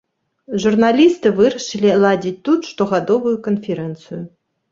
Журналісты вырашылі ладзіць тут штогадовую канферэнцыю.